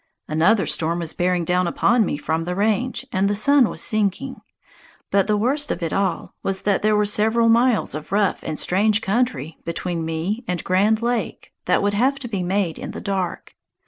Another storm was bearing down upon me from the range, and the sun was sinking. But the worst of it all was that there were several miles of rough and strange country between me and Grand Lake that would have to be made in the dark.